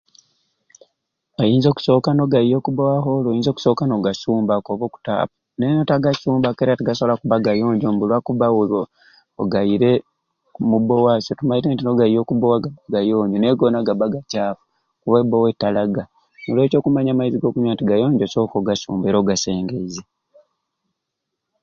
Oyinza okusooka nogaia oku bowaholo oyinza okusooka n'ogasumbaku oba oku taapu naye notagasumbaku era tigasobola kuba gayonjo nti olwakubba we ogaire oku bowa iswe tumaite nogaia oku bowa gaba gayonjo naye goona gaba gakyafu kuba e bowa etalaga n'olwekyo okumanya amaizi g'okunywa nti gayonjo sooka ogasumbe era ogasengeize